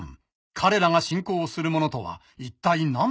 彼らが信仰するものとは一体なんなのか？